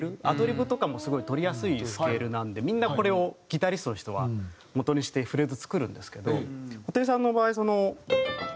アドリブとかもすごい取りやすいスケールなんでみんなこれをギタリストの人は基にしてフレーズ作るんですけど布袋さんの場合その。